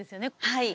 はい。